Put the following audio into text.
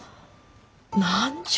何じゃ？